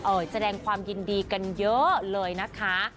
แสดงความยินดีกันเยอะเลยนะคะ